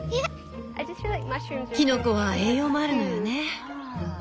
キノコは栄養もあるのよね。